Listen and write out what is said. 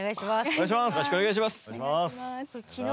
よろしくお願いします。